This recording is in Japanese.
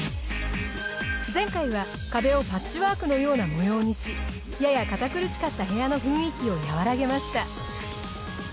前回は壁をパッチワークのような模様にしやや堅苦しかった部屋の雰囲気をやわらげました。